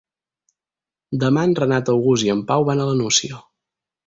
Demà en Renat August i en Pau van a la Nucia.